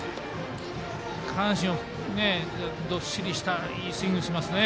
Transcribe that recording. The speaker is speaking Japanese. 下半身をどっしりとしたいいスイングをしますね。